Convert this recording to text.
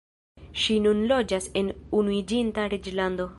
Ŝi nun loĝas en Unuiĝinta Reĝlando.